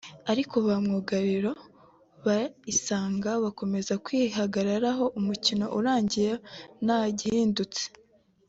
ariko ba myugariro ba Isonga bakomeza kwihagararaho umukino urangira nta gihindutse